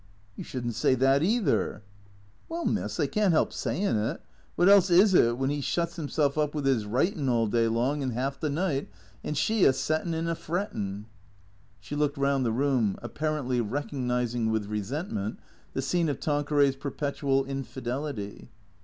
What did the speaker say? "You shouldn't say that, either." "Well, miss, I can't 'elp sayin' it. Wot else is it, when 'E THE CREATORS 197 shuts 'imself up with 'is writin' all day long and 'alf the night, and she a settin' and a f rettin' ?" She looked round the room, apparently recognizing with resentment the scene of Tanqueray's perpetual infidelity.